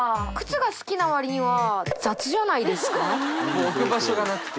もう置く場所がなくて。